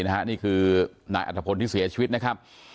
นี่คือนายอัฐพลที่เสียชีวิตนะครับ